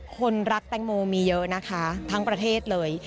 คนรักแตงโมมีเยอะนะคะทั้งประเทศเลย